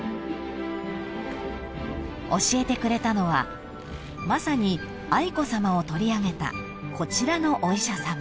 ［教えてくれたのはまさに愛子さまを取り上げたこちらのお医者さま］